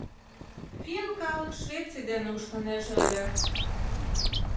Финн калык Швеций дене ушнынеже ыле.